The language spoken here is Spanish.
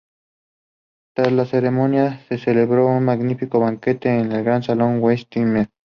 Tras la ceremonia se celebró un magnífico banquete en el Gran Salón de Westminster.